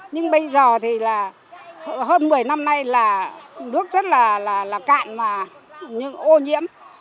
nhưng bây giờ thì là hơn một mươi năm nay là nước rất là cạn mà những ô nhiễm